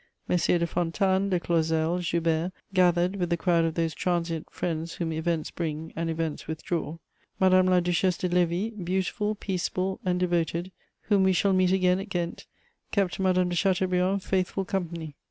Messieurs de Fontanes, de Clausel, Joubert gathered with the crowd of those transient friends whom events bring and events withdraw. Madame la Duchesse de Lévis, beautiful, peaceable and devoted, whom we shall meet again at Ghent, kept Madame de Chateaubriand faithful company.